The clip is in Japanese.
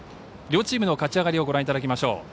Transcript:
両チームの勝ち上がりをご覧いただきましょう。